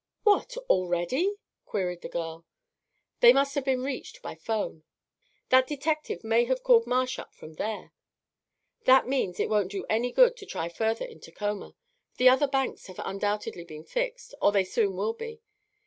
"What! already?" queried the girl. "They must have been reached by 'phone." "That detective may have called Marsh up from there." "That means it won't do any good to try further in Tacoma. The other banks have undoubtedly been fixed, or they soon will be.